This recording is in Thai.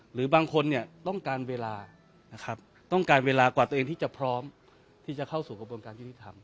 หรือบางคนต้องการเวลากว่าตัวเองที่จะพร้อมที่จะเข้าสู่กระบวนการยุทธิธรรม